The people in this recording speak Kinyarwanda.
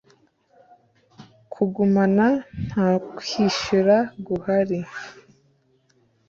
Kugumana nta kwishyura guhari